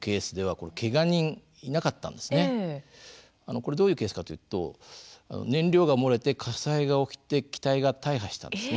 これどういうケースかというと燃料が漏れて火災が起きて機体が大破したんですね。